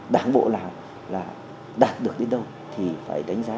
đảng bộ nào là đạt được đến đâu thì phải đánh giá